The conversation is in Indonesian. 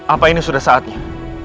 apa ini sudah saatnya